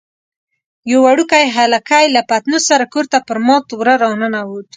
یو وړوکی هلکی له پتنوس سره کور ته پر مات وره راننوت.